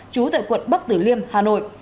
trú tại quận bắc tử liêm hà nội